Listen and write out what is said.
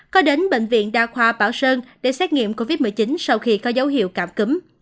có đến bệnh viện đa khoa bảo sơn để xét nghiệm covid một mươi chín sau khi có dấu hiệu cảm cúm